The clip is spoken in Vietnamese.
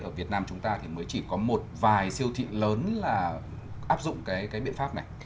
ở việt nam chúng ta thì mới chỉ có một vài siêu thị lớn là áp dụng cái biện pháp này